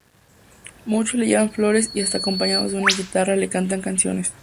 Muchos le llevan flores y hasta acompañados de una guitarra le cantan canciones.